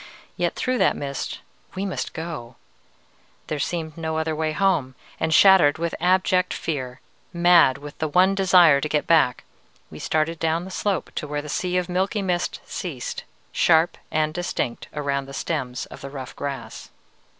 Yet through that mist we must go! there seemed no other way home, and, shattered with abject fear, mad with the one desire to get back, we started down the slope to where the sea of milky mist ceased, sharp and distinct around the stems of the rough grass.